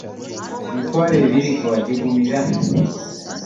Emitwalo abiri ggwe wagigumira?